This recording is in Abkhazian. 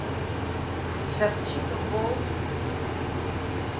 Ҳцәарчит убоу!